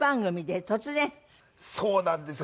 そうなんですよ。